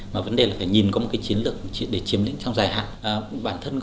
mà vấn đề là phải nhìn có một cái chiến lược để chiếm lĩnh trong dài hạn